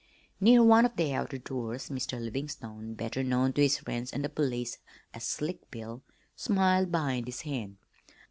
Near one of the outer doors Mr. Livingstone better known to his friends and the police as "Slick Bill" smiled behind his hand.